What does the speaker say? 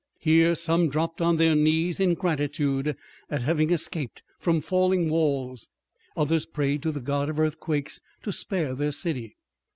Here some dropped on their knees in gratitude at having escaped from falling walls, others prayed to the god of earthquakes to spare their city.